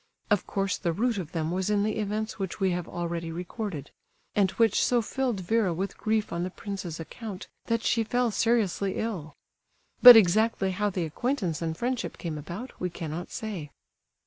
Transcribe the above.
Of course the root of them was in the events which we have already recorded, and which so filled Vera with grief on the prince's account that she fell seriously ill. But exactly how the acquaintance and friendship came about, we cannot say.